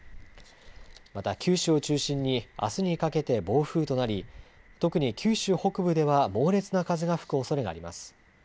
また九州を中心にあすにかけて暴風となり特に九州北部では猛烈な風が吹くおそれがあります。